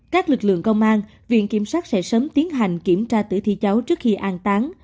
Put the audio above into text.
các lực lượng công an viện kiểm sát sẽ sớm tiến hành kiểm tra tử thi cháu trước khi an tán